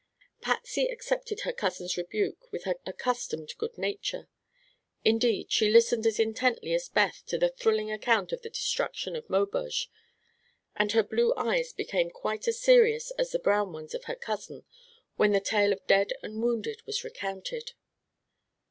Patsy accepted her cousin's rebuke with her accustomed good nature. Indeed, she listened as intently as Beth to the thrilling account of the destruction of Maubeuge, and her blue eyes became quite as serious as the brown ones of her cousin when the tale of dead and wounded was recounted.